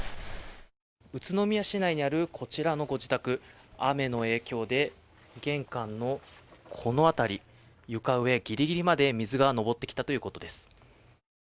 宇都宮市内にあるこちらのご自宅雨の影響で玄関のこの辺り、床上ギリギリまで水が上ってきたということです。